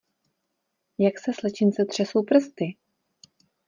Jak se slečince třesou prsty!